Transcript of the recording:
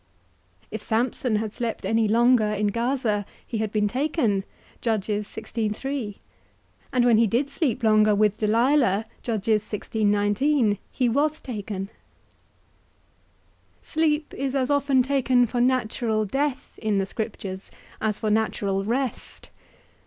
If Samson had slept any longer in Gaza, he had been taken; and when he did sleep longer with Delilah, he was taken. Sleep is as often taken for natural death in thy Scriptures, as for natural rest.